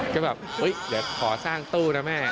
ถึงแบบเฮ้ยเดี๋ยวขอสร้างตู้นะแม่